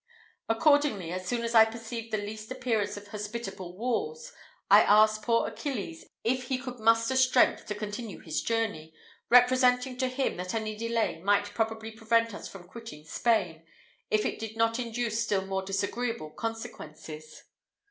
Accordingly, as soon as I perceived the least appearance of hospitable walls, I asked poor little Achilles if he thought he could muster strength to continue his journey, representing to him that any delay might probably prevent us from quitting Spain, if it did not induce still more disagreeable consequences.